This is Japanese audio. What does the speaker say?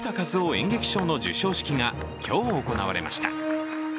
演劇賞の授賞式が今日行われました。